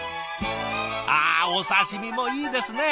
ああお刺身もいいですねえ！